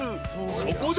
［そこで］